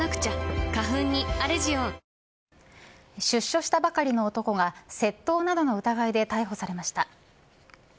出所したばかりの男が窃盗などの疑いで逮捕されました。